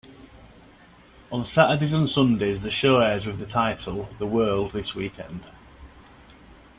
On Saturdays and Sundays, the show airs with the title The World This Weekend.